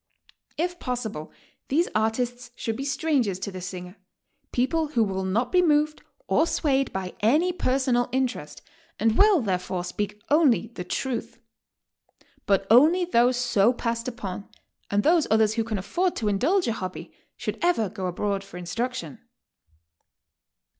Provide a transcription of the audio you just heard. If possible, these artists should be strangers to the singer, — people who will not be moved or swayed by any personal interest, arid will, therefore, speak only the truth. But only those so passed upon, and those others who can aftord to indulge a hobby, should ever go abroad fo*r instruction."